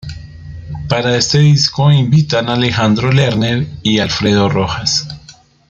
Para este disco invitan a Alejandro Lerner y Alfredo Rojas.